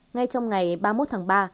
ngay trong ngày ba mươi một tháng năm